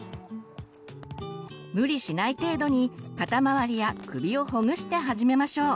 無理しない程度に肩周りや首をほぐして始めましょう。